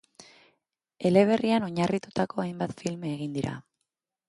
Eleberrian oinarritutako hainbat film egin dira.